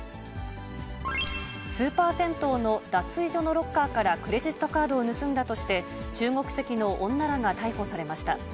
スーパー銭湯の脱衣所のロッカーからクレジットカードを盗んだとして、中国籍の女らが逮捕されました。